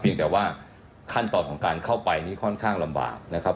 ยังแต่ว่าขั้นตอนของการเข้าไปนี่ค่อนข้างลำบากนะครับ